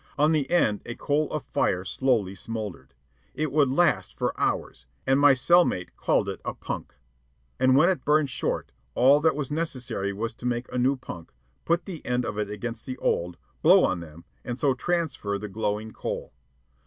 On the end a coal of fire slowly smouldered. It would last for hours, and my cell mate called it a "punk." And when it burned short, all that was necessary was to make a new punk, put the end of it against the old, blow on them, and so transfer the glowing coal.